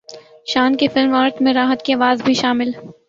شان کی film Earth میں راحت کی اواز بھی شامل